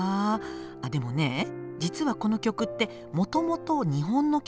あっでもね実はこの曲ってもともと日本の曲じゃないのよ。